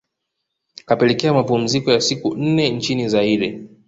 kapelekea mapumziko ya siku nne nchini Zaire